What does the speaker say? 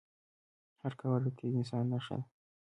هر قبر د تېر انسان نښه ده.